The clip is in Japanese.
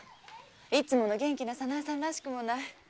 いつもの元気な早苗さんらしくもない。